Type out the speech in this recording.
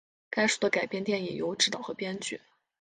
该书的改编电影由执导和编剧。